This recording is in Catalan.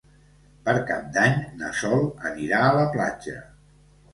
Per Cap d'Any na Sol anirà a la platja.